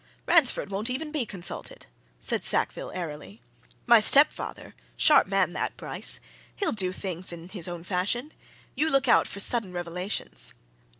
"Ransford won't even be consulted," said Sackville, airily. "My stepfather sharp man, that, Bryce! he'll do things in his own fashion. You look out for sudden revelations!"